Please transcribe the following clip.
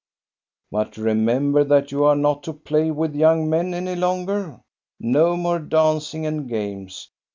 "" But remember that you are not to play with young men any longer. No more dancing and games.